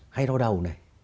hay đau đầu này